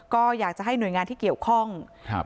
ก็อยากจะให้หน่วยงานที่เกี่ยวข้องครับ